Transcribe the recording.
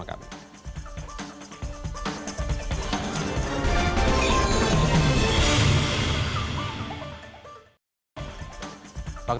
waktu kita tinggal sedikit saja